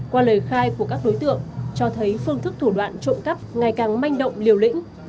qua lời khai của các đối tượng cho thấy phương thức thủ đoạn trộm cắp ngày càng manh động liều lĩnh